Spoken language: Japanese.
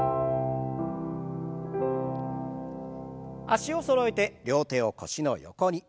脚をそろえて両手を腰の横に。